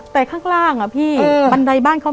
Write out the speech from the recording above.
แต่ขอให้เรียนจบปริญญาตรีก่อน